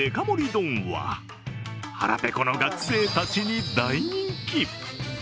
丼は腹ぺこの学生たちに大人気。